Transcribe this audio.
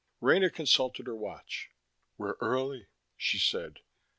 Rena consulted her watch. "We're early," she said.